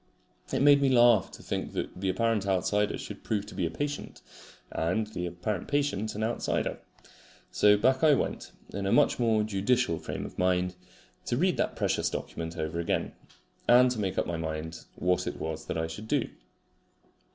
It made me laugh to think that the apparent outsider should prove to be a patient, and the apparent patient an outsider. So back I went, in a much more judicial frame of mind, to read that precious document over again, and to make up my mind what it was that I should do.